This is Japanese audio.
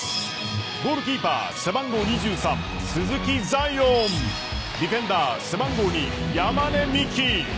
ゴールキーパー背番号２３・鈴木彩艶ディフェンダー背番号２・山根視来